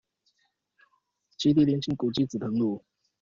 基地鄰近古蹟「紫藤廬」